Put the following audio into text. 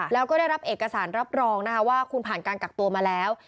แล้วก็ได้รับเอกสารรับรองนะคะว่าคุณผ่านการกักตัวมาแล้ว